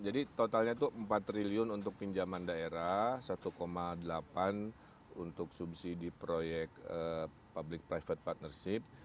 jadi totalnya itu empat triliun untuk pinjaman daerah satu delapan untuk subsidi proyek public private partnership